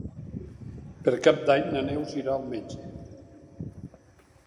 Per Cap d'Any na Neus irà al metge.